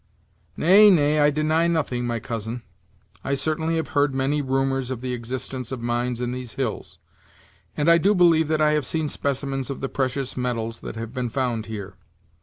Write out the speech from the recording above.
"Nay, nay, I deny nothing, my cousin. I certainly have heard many rumors of the existence of mines in these hills: and I do believe that I have seen specimens of the precious metals that have been found here.